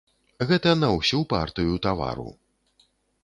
Гэта на ўсю партыю тавару.